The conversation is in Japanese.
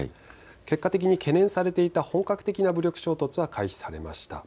結果的に懸念されれていた本格的な武力衝突は回避されました。